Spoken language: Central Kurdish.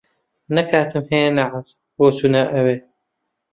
نە کاتم ھەیە نە حەز، بۆ چوونە ئەوێ.